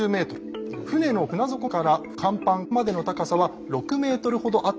船の船底から甲板までの高さは６ｍほどあった。